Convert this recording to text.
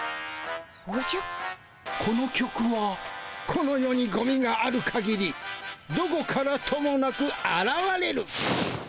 この世にゴミがあるかぎりどこからともなくあらわれる。